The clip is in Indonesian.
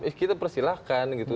eh kita persilahkan gitu